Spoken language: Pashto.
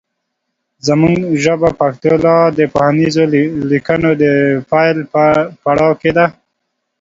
زمونږ ژبه پښتو لا د پوهنیزو لیکنو د پیل په پړاو کې ده